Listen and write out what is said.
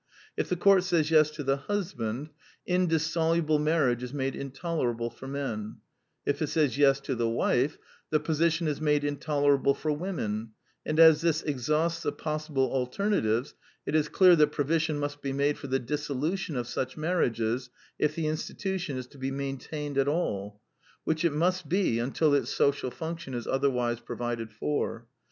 If the court says Yes to the husband, indissoluble marriage is made intolerable for men; if it says Yes to the wife, the position is made intolerable for women; and as this exhausts the possible alternatives, it is clear that pro vision must be made for the dissolution of such marriages if the in stitution is to be maintained at all, which it must be until its social function is otherwise provided for.